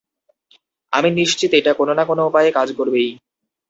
আমি নিশ্চিত এইটা কোন না কোন উপায়ে কাজ করবেই।